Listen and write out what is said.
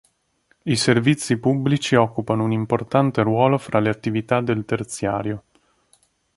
I servizi pubblici occupano un importante ruolo fra le attività del terziario.